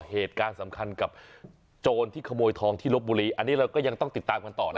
เหตุการณ์สำคัญกับโจรที่ขโมยทองที่ลบบุรีอันนี้เราก็ยังต้องติดตามกันต่อนะ